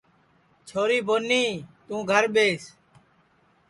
چھوری بونی توں گھر ٻیس